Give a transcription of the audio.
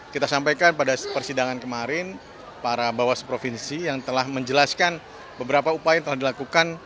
kita sampaikan pada persidangan kemarin para bawas provinsi yang telah menjelaskan beberapa upaya yang telah dilakukan